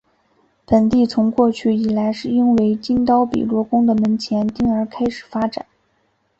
本地从过去以来是因为金刀比罗宫的门前町而开始发展。